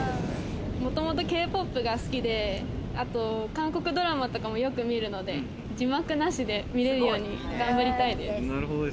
もともとＫ−ＰＯＰが好きで、韓国ドラマとかもよく見るので、字幕なしで見れるように頑張りたいです。